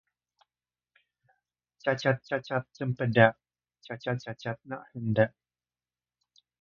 Cacat-cacat cempedak, cacat-cacat nak hendak